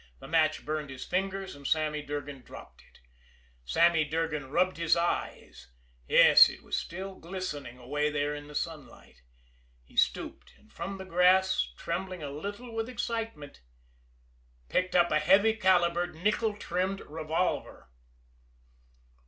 The match burned his fingers, and Sammy Durgan dropped it. Sammy Durgan rubbed his eyes yes, it was still glistening away there in the sunlight. He stooped, and from the grass, trembling a little with excitement, picked up a heavy calibered, nickel trimmed revolver.